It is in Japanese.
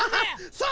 そう！